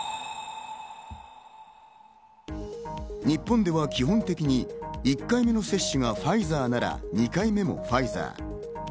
日本では基本的に１回目の接種がファイザーなら２回目もファイザー。